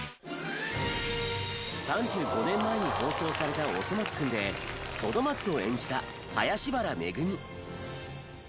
３５年前に放送された『おそ松くん』でトド松を演じた林原めぐみ。